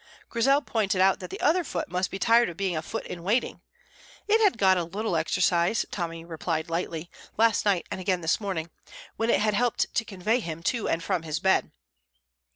Grizel pointed out that the other foot must be tired of being a foot in waiting. It had got a little exercise, Tommy replied lightly, last night and again this morning, when it had helped to convey him to and from his bed.